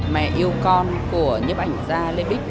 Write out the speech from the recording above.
mẹ yêu con của nhếp ảnh gia lê bích